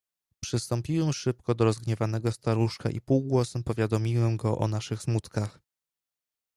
"Przystąpiłem szybko do rozgniewanego staruszka i półgłosem powiadomiłem go o naszych smutkach."